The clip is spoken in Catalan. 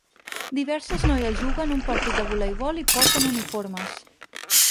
Diverses noies juguen un partit de voleibol i porten uniformes.